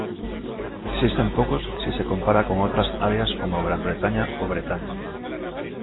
Existen pocos si se compara con otras áreas como Gran Bretaña o Bretaña.